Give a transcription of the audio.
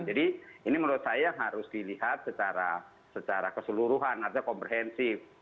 jadi ini menurut saya harus dilihat secara keseluruhan atau komprehensif